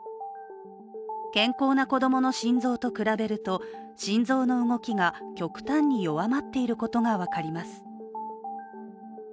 健康な子供の心臓と比べると心臓の動きが極端に弱まっていることが分かります。